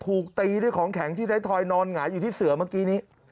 ถูกตีด้วยของแข็งที่ไทยทอยนอนหงายอยู่ที่เสือเมื่อกี้นี้